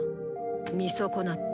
見損なった。